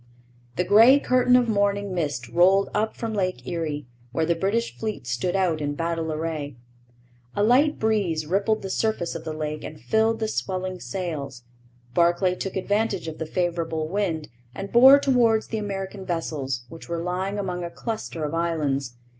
The grey curtain of morning mist rolled up from Lake Erie, where the British fleet stood out in battle array. A light breeze rippled the surface of the lake and filled the swelling sails. Barclay took advantage of the favourable wind and bore towards the American vessels, which were lying among a cluster of islands.